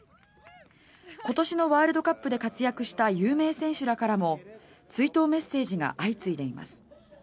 今年のワールドカップで活躍した有名選手らからも追悼メッセージが相次いでいます。